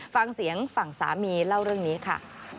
ฟังเสียงฝั่งสามีเล่าเรื่องนี้ค่ะ